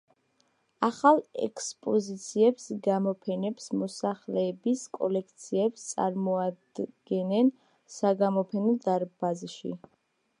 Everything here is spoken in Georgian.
ახალ ექსპოზიციებს, გამოფენებს, მოსახლეების კოლექციებს წარმოადგენენ „საგამოფენო“ დარბაზში.